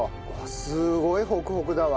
すごいホクホクだわ。